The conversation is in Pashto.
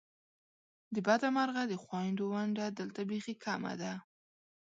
د بده مرغه د خوېندو ونډه دلته بیخې کمه ده !